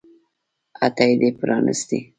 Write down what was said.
هټۍ دې پرانيستې